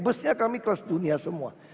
busnya kami kelas dunia semua